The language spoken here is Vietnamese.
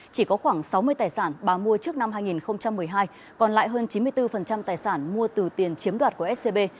chỉ có khoảng sáu mươi tài sản bà mua trước năm hai nghìn một mươi hai còn lại hơn chín mươi bốn tài sản mua từ tiền chiếm đoạt của scb